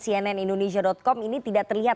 cnn indonesia com ini tidak terlihat